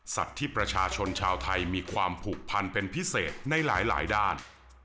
ที่ประชาชนชาวไทยมีความผูกพันเป็นพิเศษในหลายด้าน